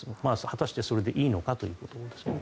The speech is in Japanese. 果たしてそれでいいのかということですね。